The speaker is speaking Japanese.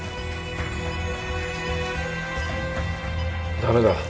駄目だ。